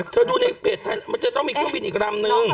ดูในเพจไทยมันจะต้องมีเครื่องบินอีกรำนึง